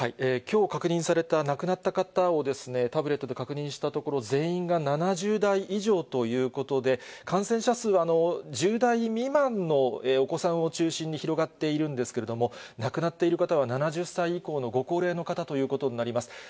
きょう確認された亡くなった方を、タブレットで確認したところ、全員が７０代以上ということで、感染者数は１０代未満のお子さんを中心に広がっているんですけれども、亡くなっている方は７０歳以降のご高齢の方ということになります。